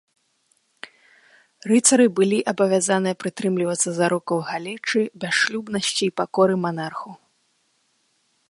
Рыцары былі абавязаны прытрымлівацца зарокаў галечы, бясшлюбнасці і пакоры манарху.